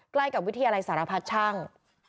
ใกล้กับวิทยาลัยสารพัดช่าง